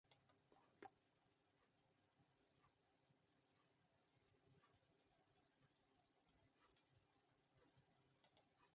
This resulted in the class being the heaviest Northerns ever built.